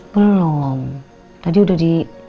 belom tadi udah di